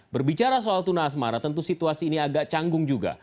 berbicara soal tuna asmara tentu situasi ini agak canggung juga